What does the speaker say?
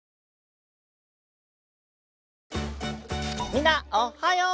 みんなおっはよう！